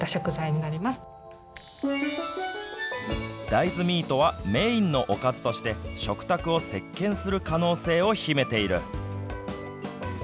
大豆ミートはメインのおかずとして、食卓を席けんする可能性を秘めている。